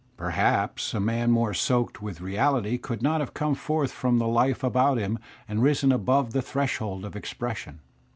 Perhaps a man more soaked with reality could not have come forth from the life about him and risen above the threshhold of expression.